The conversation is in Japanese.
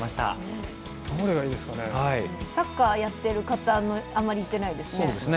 サッカーをやっている方にあまり行っていないですね。